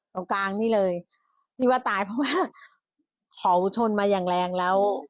ตรงกลางนี่เลยที่ว่าตายเพราะว่าเขาชนมาอย่างแรงแล้ว